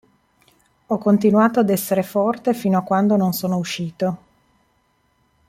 Ho continuato ad essere forte fino a quando non sono uscito".